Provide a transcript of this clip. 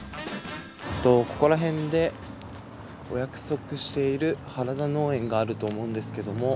ここらへんでお約束している原田農園があると思うんですけども。